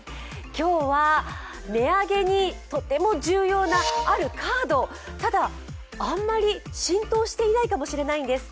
今日は値上げにとても重要なあるカード、ただ、あんまり浸透していないかもしれないんです。